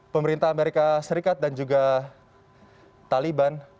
pemerintah amerika serikat dan juga taliban